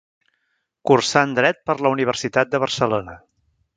Cursant Dret per la Universitat de Barcelona.